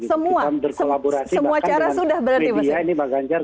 semua semua cara sudah berhasil